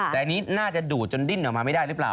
แต่อันนี้น่าจะดูดจนดิ้นออกมาไม่ได้หรือเปล่า